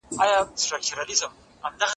یو څراغ تر بل څراغه پورې بل رسوو